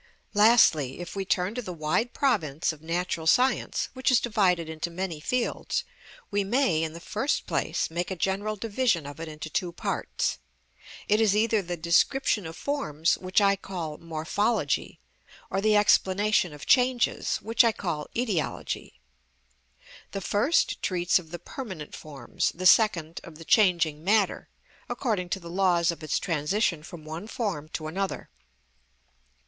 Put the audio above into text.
Lastly, if we turn to the wide province of natural science, which is divided into many fields, we may, in the first place, make a general division of it into two parts. It is either the description of forms, which I call Morphology, or the explanation of changes, which I call Etiology. The first treats of the permanent forms, the second of the changing matter, according to the laws of its transition from one form to another.